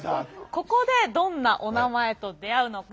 ここでどんなおなまえと出会うのか。